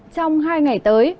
trong hai ngày tới